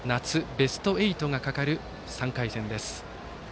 ベスト８がかかる３回戦です。